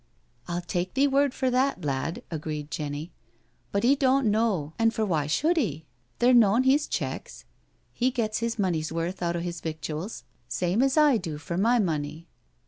"I'll take thee word for that, lad," agreed Jenny, " but he doan't know an' for why should he? They're noan his checks. He gets his money's worth out o' 'is victuals same as I do for my money.